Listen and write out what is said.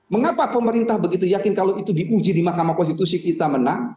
mengapa pemerintah begitu yakin kalau itu diuji di mahkamah konstitusi kita menang